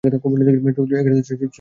চল, ছোট, দে উড়াল!